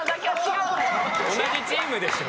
同じチームでしょ。